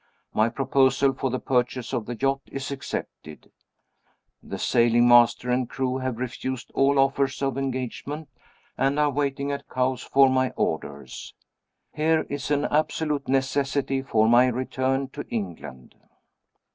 My proposal for the purchase of the yacht is accepted. The sailing master and crew have refused all offers of engagement, and are waiting at Cowes for my orders. Here is an absolute necessity for my return to England.